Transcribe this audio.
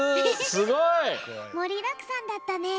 すごい！もりだくさんだったね。